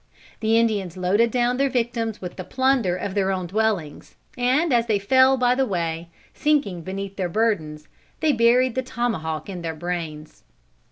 The Indians loaded down their victims with the plunder of their own dwellings, and as they fell by the way, sinking beneath their burdens, they buried the tomahawk in their brains.